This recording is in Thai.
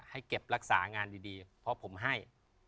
ให้เก็บรักษางานดีเพราะผมให้